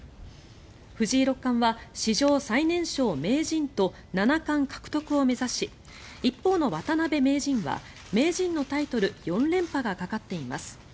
藤井六冠は史上最年少名人と七冠獲得を目指し一方の渡辺名人は名人のタイトル４連覇がかかっています。